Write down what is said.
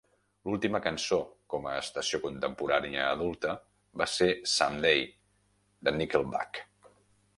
L'última cançó com a estació contemporània adulta va ser "Someday" de Nickelback.